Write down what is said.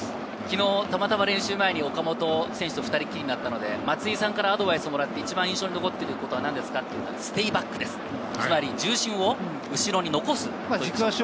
昨日たまたま練習前に岡本選手と２人っきりになったので、松井さんからアドバイスをもらって一番印象に残ってるのはなんですか？と聞いたら、ステイバック、重心を後ろに残す。